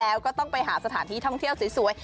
แล้วก็ต้องไปหาสถานที่ท่องเที่ยวสวย